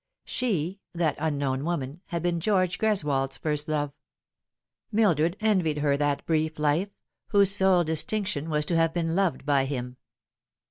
She that unknown woman had been George Greswold's first love. Mildred envied her that brief life, whose sole dis tinction was to have been loved by him.